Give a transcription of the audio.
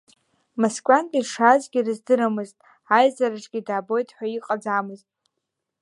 Москвантәи дшаазгьы рыздырамызт, аизараҿгьы даабоит ҳәа иҟаӡамызт.